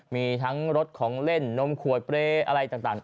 มีทั้งรถของเล่นนมขวดเปรย์อะไรต่าง